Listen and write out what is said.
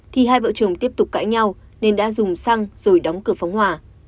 thì hai vợ chồng tiếp tục cãi nhau nên đã dùng xăng rồi đóng cửa phóng hòa